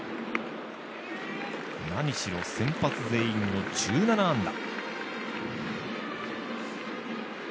何しろ、先発全員の１７安打。